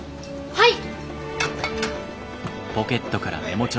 はい！